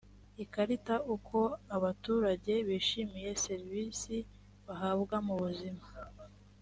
ikarita uko abaturage bishimiye serivisi bahabwa mu buzima